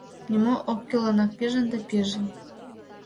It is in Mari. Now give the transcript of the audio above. Нимо оккӱлланак пижын да пижын.